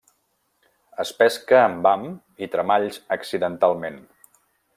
Es pesca amb ham i tremalls accidentalment.